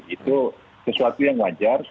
itu sesuatu yang wajar